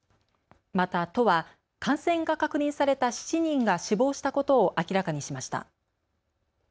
また、都は感染が確認された７人が死亡したことを明らかにしました。